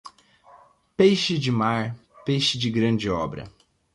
Peixe de mar, peixe de grande obra.